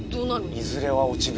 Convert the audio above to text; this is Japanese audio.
いずれは落ちぶ